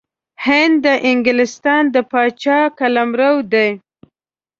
هند د انګلستان د پاچا قلمرو دی.